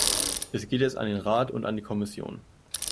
Es geht jetzt an den Rat und an die Kommission.